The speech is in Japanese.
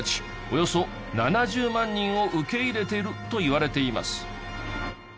およそ７０万人を受け入れているといわれています。